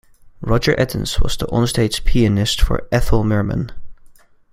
Roger Edens was the onstage pianist for Ethel Merman.